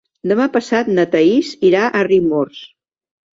Demà passat na Thaís irà a Riumors.